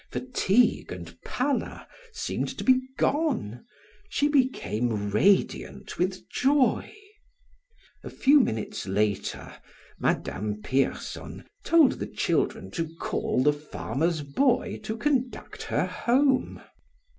Fatigue and pallor seemed to be gone, she became radiant with joy. A few minutes later, Madame Pierson told the children to call the farmer's boy to conduct her home.